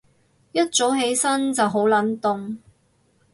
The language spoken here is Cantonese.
一早起身就好冷凍